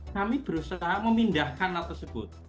kami berusaha memindahkan hal tersebut